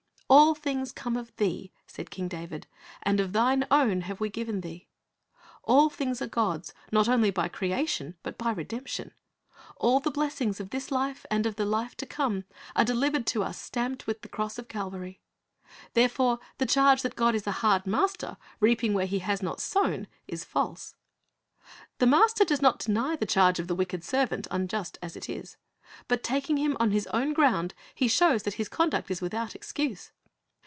" All things come of Thee," said King David; "and of Thine own have we given Thee."' AH things are God's, not only by creation, but by redemption. All the blessings of this life and of the life to come, are delivered to us stamped with the cross of Calvary. There fore the charge that God is a hard master, reaping where He has not sown, is false. The master does not deny the charge of the wicked servant, unjust as it is; but taking him on his own ground he shows that his conduct is without excuse.